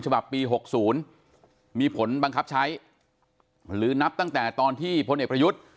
ฉบับปี๖๐มีผลบังคับใช้หรือนับตั้งแต่ตอนที่พลเอกประยุทธ์